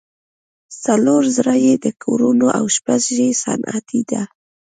څلور زره یې د کورونو او شپږ یې صنعتي ده.